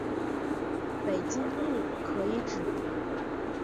北京路可以指